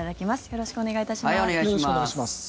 よろしくお願いします。